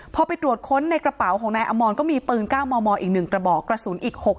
พอไปตรวจค้นในกระเป๋าของแนวอมรก็มีกระสุนอีก๖๒นัด